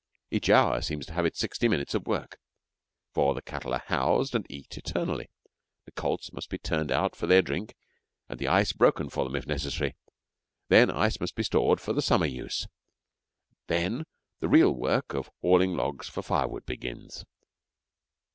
Each hour seems to have its sixty minutes of work; for the cattle are housed and eat eternally; the colts must be turned out for their drink, and the ice broken for them if necessary; then ice must be stored for the summer use, and then the real work of hauling logs for firewood begins.